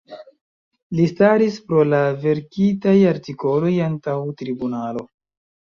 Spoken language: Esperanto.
Li staris pro la verkitaj artikoloj antaŭ tribunalo.